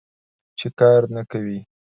چې کار نه کوې.